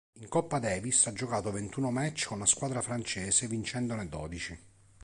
In Coppa Davis ha giocato ventuno match con la squadra francese vincendone dodici.